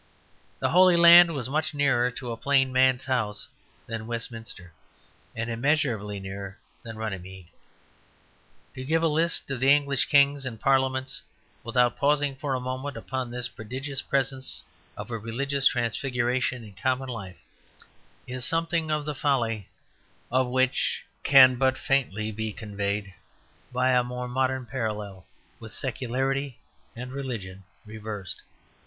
The Holy Land was much nearer to a plain man's house than Westminster, and immeasurably nearer than Runymede. To give a list of English kings and parliaments, without pausing for a moment upon this prodigious presence of a religious transfiguration in common life, is something the folly of which can but faintly be conveyed by a more modern parallel, with secularity and religion reversed.